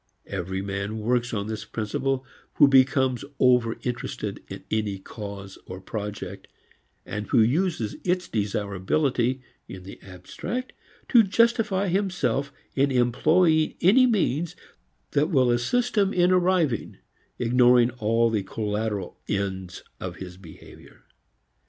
Every man works upon this principle who becomes over interested in any cause or project, and who uses its desirability in the abstract to justify himself in employing any means that will assist him in arriving, ignoring all the collateral "ends" of his behavior.